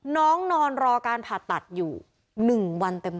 นอนรอการผ่าตัดอยู่๑วันเต็ม